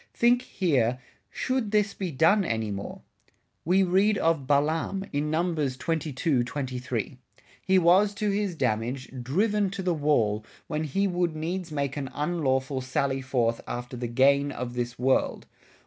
Think, here Should this be done any more? We read of Balaam, in Num. 22, 23. He was to his Damage, driven to the Wall, when he would needs make an unlawful Salley forth after the Gain of this World.